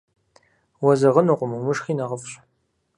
Уэзэгъынукъым, умышхи нэхъыфӏщ.